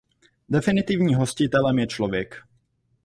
Definitivní hostitelem je člověk.